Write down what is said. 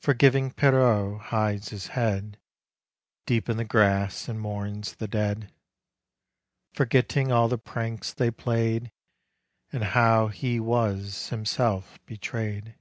Forgiving Pierrot hides his head Deep in the grass and mourns the dead ;— Forgetting all the pranks they play'd And how he was himself betray 'd.